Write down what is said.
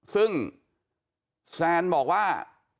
ซึ่งแซนบอกว่า